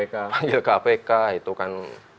dipanggil kpk itu kan